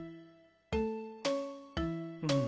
うん。